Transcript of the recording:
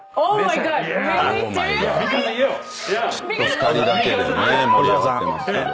２人だけで盛り上がってますけど。